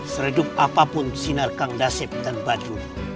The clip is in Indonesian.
seredup apapun sinar kang udasep dan badrun